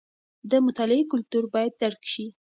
د مطالعې کلتور باید درک شي.